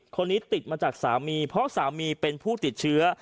คนนี้ติดมาจากสามีเพราะสามีเป็นผู้ติดเชื้อ